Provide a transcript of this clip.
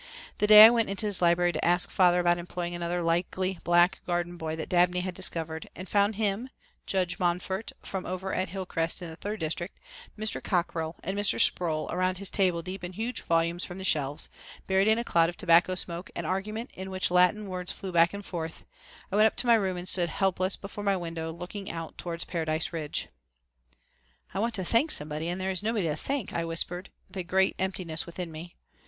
The day I went into his library to ask father about employing another likely black garden boy that Dabney had discovered, and found him, Judge Monfort from over at Hillcrest in the third district, Mr. Cockrell and Mr. Sproul around his table deep in huge volumes from the shelves, buried in a cloud of tobacco smoke and argument in which Latin words flew back and forth, I went up to my room and stood helpless before my window looking out towards Paradise Ridge. "I want to thank somebody and there is nobody to thank," I whispered, with a great emptiness within me.